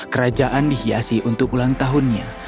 kerajaan dihiasi untuk ulang tahunnya